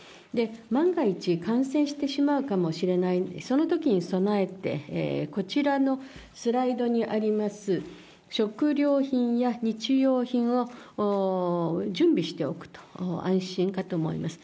万が一、感染してしまうかもしれない、そのときに備えて、こちらのスライドにあります、食料品や日用品を準備しておくと安心かと思います。